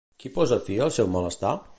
Qui posa fi al seu malestar?